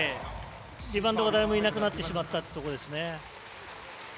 リバウンドが誰もいなくなってしまったというところですね。